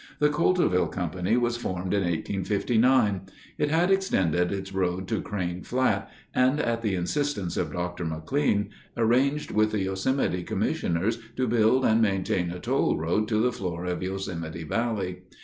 The Coulterville Company was formed in 1859. It had extended its road to Crane Flat, and, at the insistence of Dr. McLean, arranged with the Yosemite commissioners to build and maintain a toll road to the floor of Yosemite Valley.